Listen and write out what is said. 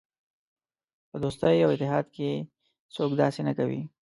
په دوستۍ او اتحاد کې څوک داسې نه کوي.